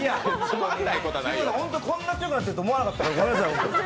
こんな強くなってると思わなかった、本当にごめんなさい。